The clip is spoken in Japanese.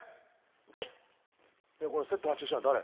はいいやこれセット発注したの誰？